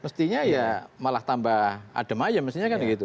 mestinya ya malah tambah adem aja mestinya kan gitu